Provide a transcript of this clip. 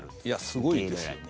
すごいですよね。